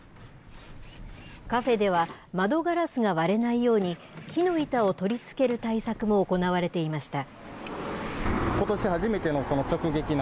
カフェでは、窓ガラスが割れないように、木の板を取り付ける対策も行われていました。